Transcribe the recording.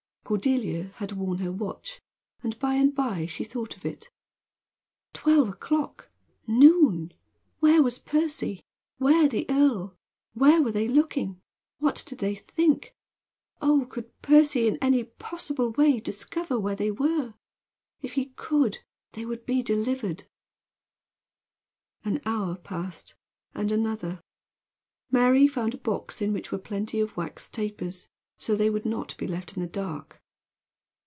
Cordelia had worn her watch, and by and by she thought of it. Twelve o'clock! Noon! Where was Percy? Where the earl? Where were they looking? What did they think? Oh, could Percy in any possible way discover where they were? If he could, they would be delivered! An hour passed and another. Mary found a box in which were plenty of wax tapers. So they would not be left in the dark.